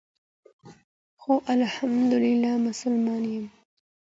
هو ألحمد لله مسلمان يم،